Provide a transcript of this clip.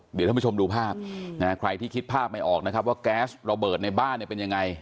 เดี๋ยวท่านผู้ชมดูภาพใครที่คิดภาพไม่ออกนะครับว่าแก๊สระเบิดในบ้านเนี่ยเป็นยังไง